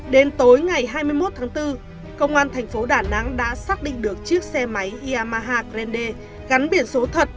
đến tối ngày hai mươi một tháng bốn công an thành phố đà nẵng đã xác định được chiếc xe máy yamaha greende gắn biển số thật